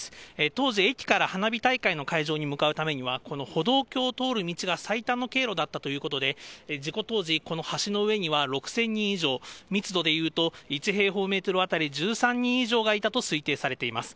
当時、駅から花火大会の会場に向かうためには、この歩道橋を通る道が最短の経路だったということで、事故当時、この橋の上には６０００人以上、密度でいうと１平方メートル当たり１３人以上がいたと推定されています。